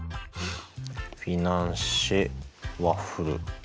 フィナンシェ・ワッフル。